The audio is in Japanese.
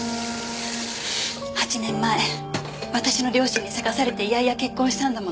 ８年前私の両親に急かされて嫌々結婚したんだものね。